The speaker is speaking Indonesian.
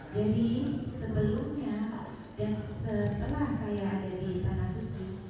jadi sebelumnya dan setelah saya ada di tanah suci